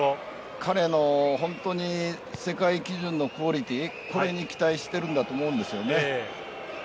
彼の本当に世界基準のクオリティーこれに期待しているんだと思うんですよね。